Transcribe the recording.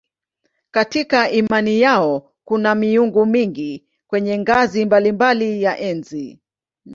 Katika imani yao kuna miungu mingi kwenye ngazi mbalimbali ya enzi.